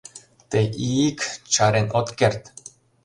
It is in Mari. Тый... и-ик!.. чарен от керт...